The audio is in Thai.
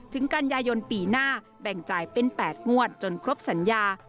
กันยายนปีหน้าแบ่งจ่ายเป็น๘งวดจนครบสัญญา